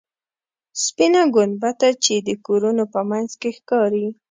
سپینه ګنبده چې د کورونو په منځ کې ښکاري.